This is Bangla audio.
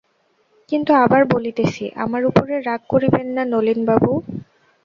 কিন্তু আবার বলিতেছি, আমার উপরে রাগ করিবেন না নলিনবাবু।